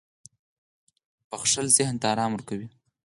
• بښل ذهن ته آرام ورکوي.